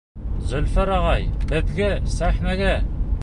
Зөлфәр ағай, беҙгә сәхнәгә!